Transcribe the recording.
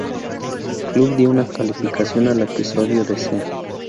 Club" dio una calificación al episodio de "C".